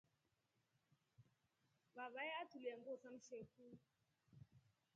Vavae atulia nguo sa msheku.